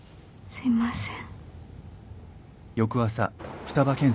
すいません。